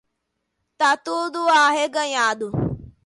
Tá tudo arreganhado